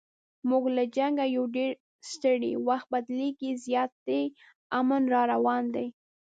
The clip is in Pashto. موږ له جنګه یو ډېر ستړي، وخت بدلیږي زیاتي امن را روان دی